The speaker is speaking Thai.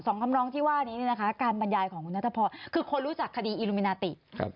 สองคำล้องที่ว่านี้การบรรยายของคุณนัทพอคือคนรู้จักคดีอิลลูมินาติ